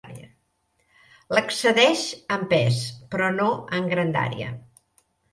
L'excedeix en pes, però no en grandària.